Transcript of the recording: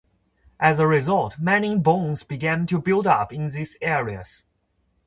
As a result, many bones began to build up in these areas.